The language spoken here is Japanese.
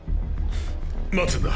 待つんだ。